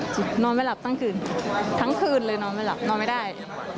นอนไม่หลับทั้งคืนทั้งคืนเลยนอนไม่หลับนอนไม่ได้